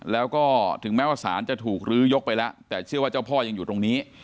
แล้วก็ถึงแม้ว่าสารจะถูกลื้อยกไปแล้วแต่เชื่อว่าเจ้าพ่อยังอยู่ตรงนี้